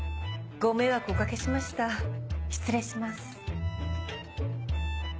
ご迷惑をおかけしました失礼します。